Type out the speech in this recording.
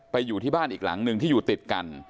อยู่ที่บ้านอีกหลังหนึ่งที่อยู่ติดกัน